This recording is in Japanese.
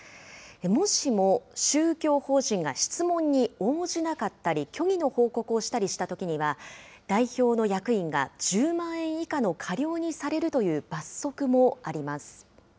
もしも宗教法人が質問に応じなかったり、虚偽の報告をしたりしたときには、代表の役員が１０万円以下の過料にされるという罰則もあります。